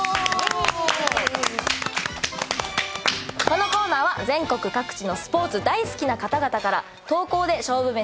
このコーナーは全国各地のスポーツ大好きな方々から投稿で勝負めしを募集しています。